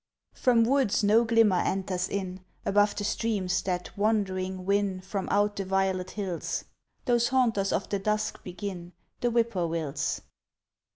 From woods no glimmer enters in, Above the streams that wandering win From out the violet hills, Those haunters of the dusk begin, The whippoorwills.